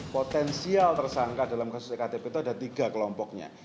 potensial tersangka dalam kasus ektp itu ada tiga kelompoknya